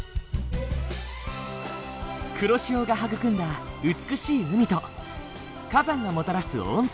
黒潮が育んだ美しい海と火山がもたらす温泉。